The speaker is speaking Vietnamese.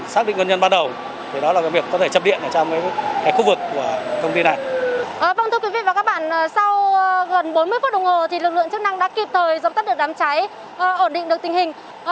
sau gần bốn mươi phút đồng hồ lực lượng chức năng đã kịp thời giống tất được đám cháy ổn định được tình hình